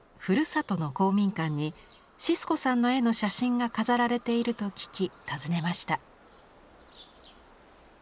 ふるさとの公民館にシスコさんの絵の写真が飾られていると聞き訪ねました。